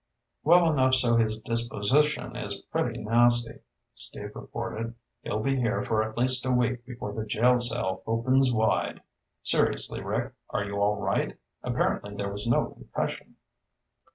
"Well enough so his disposition is pretty nasty," Steve reported. "He'll be here for at least a week before the jail cell opens wide. Seriously, Rick, are you all right? Apparently there was no concussion."